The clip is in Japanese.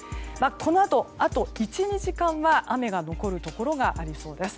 このあと、あと１２時間は雨が残るところがありそうです。